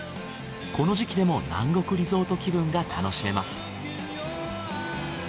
この時期でも南国リゾート気分が楽しめます。